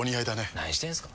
何してんすか。